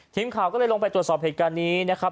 ทีมข่าวก็เลยลงไปตรวจสอบเหตุการณ์นี้นะครับ